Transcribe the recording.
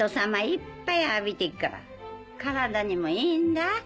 いっぱい浴びてっから体にもいいんだぁ。